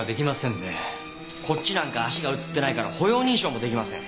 こっちなんか足が映ってないから歩容認証も出来ません。